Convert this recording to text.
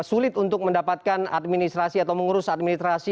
sulit untuk mendapatkan administrasi atau mengurus administrasi